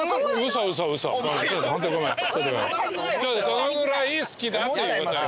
そのぐらい好きだっていうことよ。